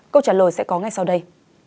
câu trả lời sẽ có ngay sau đây